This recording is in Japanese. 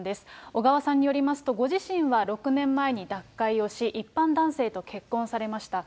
小川さんによりますと、ご自身は６年前に脱会をし、一般男性と結婚されました。